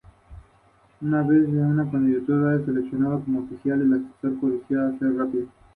Cómo, por ejemplo, mostrar un punto luminoso por la noche.